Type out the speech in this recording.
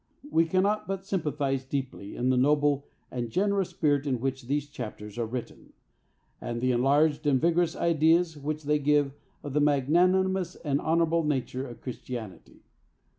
We cannot but sympathize deeply in the noble and generous spirit in which these chapters are written, and the enlarged and vigorous ideas which they give of the magnanimous and honorable nature of Christianity.